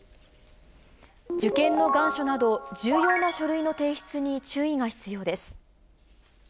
受験の願書など、重要な書類の提出に注意が必要です。